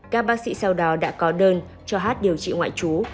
các bác sĩ sau đó đã có đơn cho hát điều trị ngoại trú